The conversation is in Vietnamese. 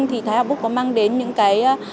thì thái hạc búc có mang đến những cái